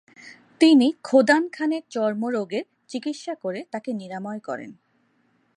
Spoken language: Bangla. তিনি খোদান খানের চর্মরোগের চিকিৎসা করে তাকে নিরাময় করেন।